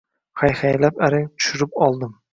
Hay-haylab arang tushirib oldim